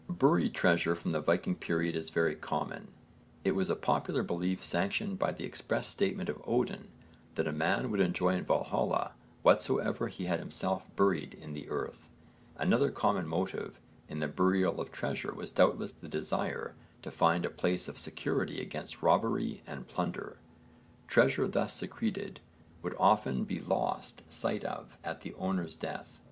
Buried treasure from the Viking period is very common. It was a popular belief, sanctioned by the express statement of Odin, that a man would enjoy in Valhalla whatsoever he had himself buried in the earth. Another common motive in the burial of treasure was doubtless the desire to find a place of security against robbery and plunder. Treasure thus secreted would often be lost sight of at the owner's death.